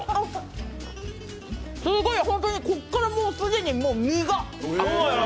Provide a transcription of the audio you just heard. すごい、ホントにここから既に身が。